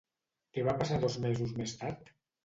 Què va passar dos mesos més tard?